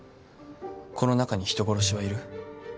この中に人殺しはいる？